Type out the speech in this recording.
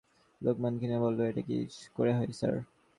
লোকমান ক্ষীণ গলায় বলল, এটা কী করে হয় স্যার?